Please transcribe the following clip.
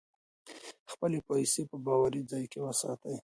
خپلې پیسې په باوري ځای کې وساتئ.